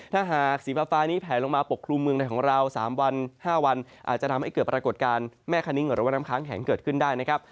ถ้าหากสีฟ้านี้แผลลงมาปกครุมเมืองในของเรา๓วัน๕วันอาจจะทำให้เกิดปรากฏการณ์แม่คณิ้งหรือว่าน้ำค้างแข็งเกิดขึ้นได้นะครับ